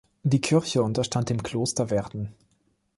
Die Kirche unterstand dem Kloster Werden.